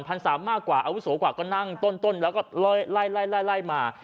สามมากกว่าอาวุโสกว่าก็นั่งต้นแล้วก็ไล่ไล่มา